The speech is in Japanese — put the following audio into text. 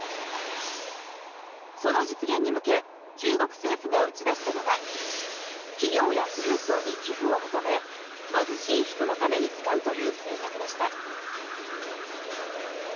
その実現に向け中国政府が打ち出したのが企業や富裕層に寄付を求め貧しい人のために使うという政策でした。